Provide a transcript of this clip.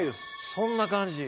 そんな感じ。